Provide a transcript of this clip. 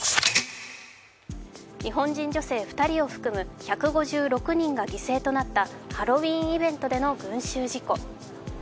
日本人女性２人を含む１５６人が犠牲となったハロウィーンイベントでの群集事故。